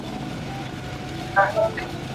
তুমি আমার বউ।